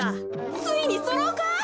ついにそろうか？